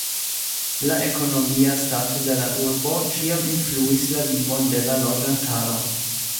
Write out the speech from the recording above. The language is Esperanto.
La ekonomia stato de la urbo ĉiam influis la vivon de la loĝantaro.